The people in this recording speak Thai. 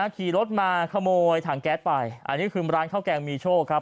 ขี่รถมาขโมยถังแก๊สไปอันนี้คือร้านข้าวแกงมีโชคครับ